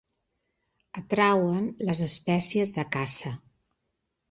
Atrauen les espècies de caça.